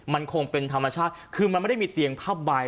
มันคงเป็นธรรมชาติคือมันไม่ได้มีเตียงผ้าใบ